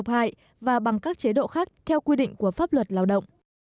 nghị định cũng yêu cầu khi thực hiện mức lương cao khác theo quy định của pháp luật lao động